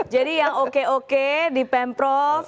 jadi yang oke oke dipemprov